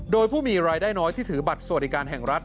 โดยผู้มีรายได้น้อยที่ถือบัตรสวัสดิการแห่งรัฐ